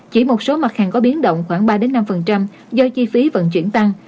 chỉ một số mặt hàng có biến động khoảng ba năm do chi phí vận chuyển tăng